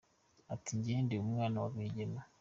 Ati “Njye ndi umwana wa Rwigema.